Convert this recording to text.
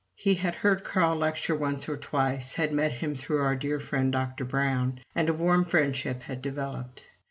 He had heard Carl lecture once or twice, had met him through our good friend Dr. Brown, and a warm friendship had developed.